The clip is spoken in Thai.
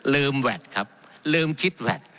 แวดครับลืมคิดแวด